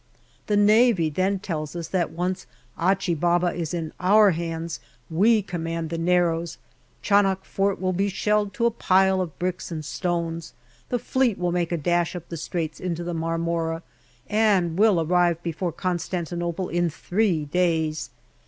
The Navy then tell us that once Achi is in our hands we command the Narrows ; Chanak Fort will be shelled to a pile of bricks and stones, the Fleet will make a dash up the Straits into the Marmora, and will arrive before Constantinople in three days.